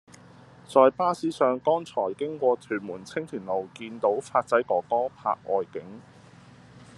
在巴士上剛才經過屯門青田路見到發仔哥哥拍外景